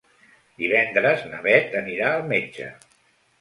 Divendres na Beth anirà al metge.